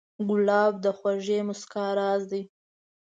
ګلاب د خوږې موسکا راز دی.